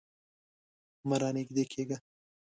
مه رانږدې کیږه